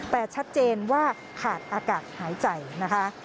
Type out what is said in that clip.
แต่ชัดเจนว่าขาดอากาศหายใจนะคะ